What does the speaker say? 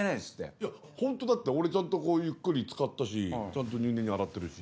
いやホントだって俺ちゃんとゆっくりつかったしちゃんと入念に洗ってるし。